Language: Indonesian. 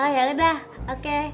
ya udah oke